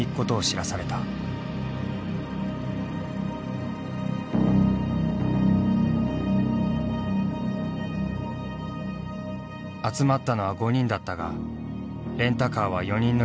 集まったのは５人だったがレンタカーは４人乗りの軽自動車。